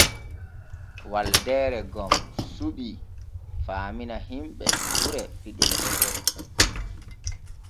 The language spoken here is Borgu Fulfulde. Waldeere gom suɓi faamina himɓe gure piɗol tete.